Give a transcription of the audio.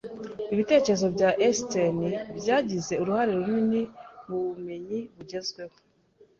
Ibitekerezo bya Einstein byagize uruhare runini mubumenyi bugezweho.